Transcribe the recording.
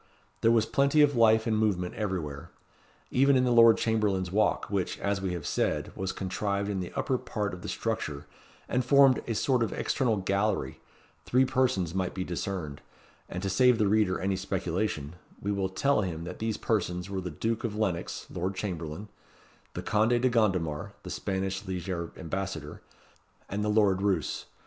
There was plenty of life and movement everywhere. Even in the Lord Chamberlain's walk, which, as we have said, was contrived in the upper part of the structure, and formed a sort of external gallery, three persons might be discerned; and to save the reader any speculation, we will tell him that these persons were the Duke of Lennox (Lord Chamberlain), the Conde de Gondomar (the Spanish lieger ambassador), and the Lord Roos.